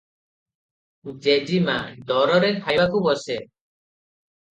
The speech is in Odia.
ଜେଜୀମା’ ଡରରେ ଖାଇବାକୁ ବସେ ।